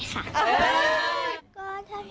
ก็ถ้าพี่แพรวามาก็เล่นค่ะ